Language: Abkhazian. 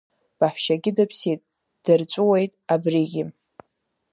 Баҳәшьагьы дыԥсит, дырҵәуеит, абригьы…